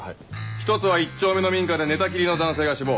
１つは１丁目の民家で寝たきりの男性が死亡。